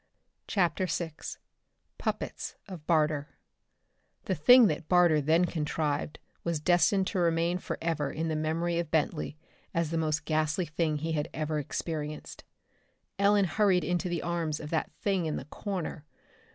CHAPTER VI Puppets of Barter The thing that Barter then contrived was destined to remain forever in the memory of Bentley as the most ghastly thing he had ever experienced. Ellen hurried into the arms of that thing in the corner.